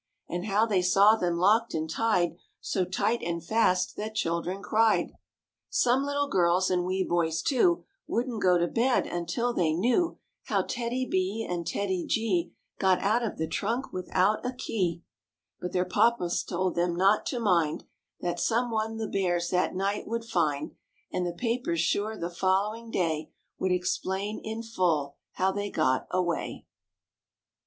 And how they saw them locked and tied So tight and fast that children cried. Some little girls and wee boys too Wouldn't go to bed until they knew How TEDDY B and TEDDY G Got out of the trunk without a key; But their papas told them not to mind, That some one the Bears that night would find And the papers sure the following day Would explain in full how they got away.